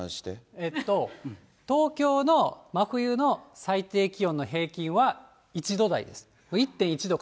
えっと、東京の真冬の最低気温の平均は１度台です。